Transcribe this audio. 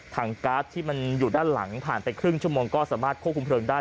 การ์ดที่มันอยู่ด้านหลังผ่านไปครึ่งชั่วโมงก็สามารถควบคุมเพลิงได้